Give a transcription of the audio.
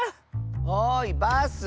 おいバス！